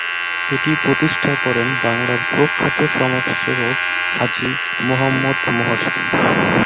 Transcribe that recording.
এটি প্রতিষ্ঠা করেন বাংলার প্রখ্যাত সমাজসেবক হাজী মুহাম্মদ মহসিন।